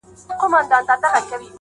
او خپل څادر يې تر خپل څنگ هوار کړ.